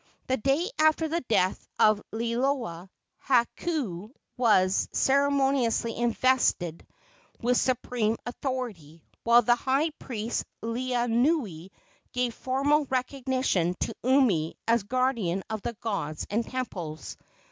The day after the death of Liloa, Hakau was ceremoniously invested with supreme authority, while the high priest Laeanui gave formal recognition to Umi as guardian of the gods and temples.